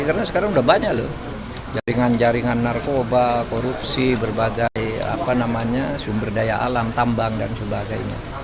karena sekarang sudah banyak jaringan jaringan narkoba korupsi berbagai sumber daya alam tambang dan sebagainya